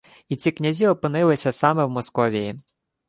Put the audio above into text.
І ці князі опинилися саме в Московії